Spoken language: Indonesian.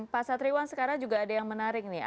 pak satriwan sekarang juga ada yang menarik nih